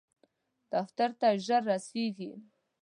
دفتر ته ژر رسیږم